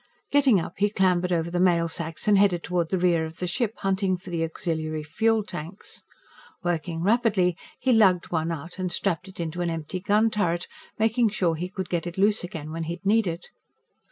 Getting up, he clambered over the mail sacks and headed toward the rear of the ship, hunting for the auxiliary fuel tanks. Working rapidly, he lugged one out and strapped it into an empty gun turret, making sure he could get it loose again when he'd need it.